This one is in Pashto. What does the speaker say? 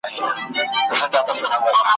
په سرونو کي يې شوردی `